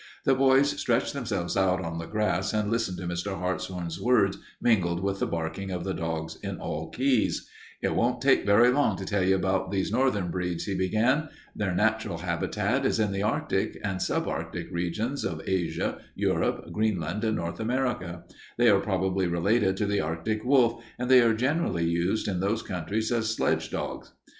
The boys stretched themselves out on the grass and listened to Mr. Hartshorn's words mingled with the barking of the dogs in all keys. "It won't take very long to tell about these northern breeds," he began. "Their natural habitat is in the Arctic and sub Arctic regions of Asia, Europe, Greenland, and North America. They are probably related to the Arctic wolf and they are generally used in those countries as sledge dogs.